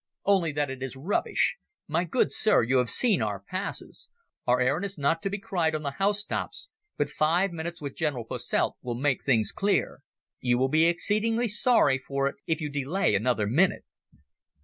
"Only that it is rubbish. My good Sir, you have seen our passes. Our errand is not to be cried on the housetops, but five minutes with General Posselt will make things clear. You will be exceedingly sorry for it if you delay another minute."